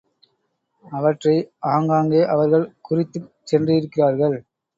அவற்றை ஆங்காங்கே அவர்கள் குறித்துச் சென்றிருக்கிறார்கள்.